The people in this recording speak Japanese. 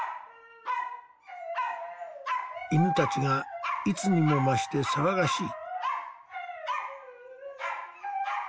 犬たちがいつにも増して騒がしい。